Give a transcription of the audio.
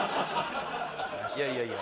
いやいやいや。